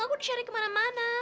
aku disyari kemana mana